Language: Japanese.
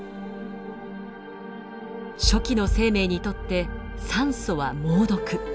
初期の生命にとって酸素は猛毒。